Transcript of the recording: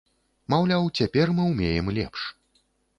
Маўляў, цяпер мы ўмеем лепш.